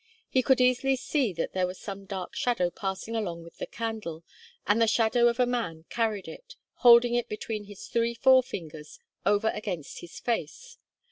He could easily see that there was some dark shadow passing along with the candle, and the shadow of a man carried it, holding it 'between his three forefingers over against his face.'